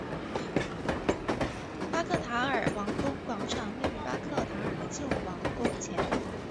巴克塔普尔王宫广场位于巴克塔普尔的旧王宫前。